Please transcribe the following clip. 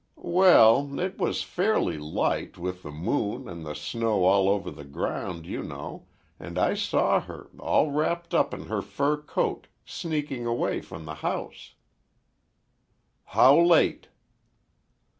"Well, it was fairly light, with the moon, and the snow all over the ground, you know, and I saw her, all wrapped up in her fur coat, sneaking away from the house—" "How late?"